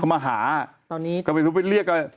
เขามาหาตอนนี้ก็ไปเรียกเขา